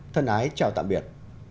thân ái chào tạm biệt